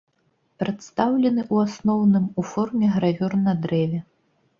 Прадстаўлены, у асноўным, у форме гравюр на дрэве.